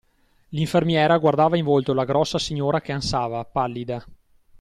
L'infermiera guardava in volto la grossa signora che ansava, pallida.